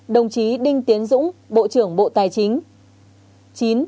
đồng chí đinh tiến dũng bộ trưởng bộ tài chính